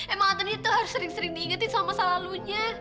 emang antonia tuh harus sering sering diingetin selama masa lalunya